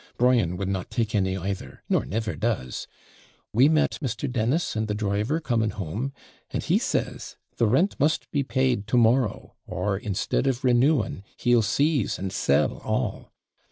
Brian would not take any either, nor never does. We met Mr. Dennis and the driver coming home; and he says, the rent must be paid to morrow, or, instead of renewing, he'll seize and sell all.